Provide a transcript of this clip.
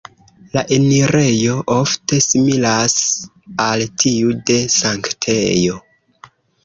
La enirejo ofte similas al tiu de sanktejo.